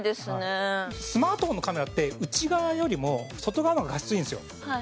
スマートフォンのカメラって内側よりも外側の方が画質いいんですよ。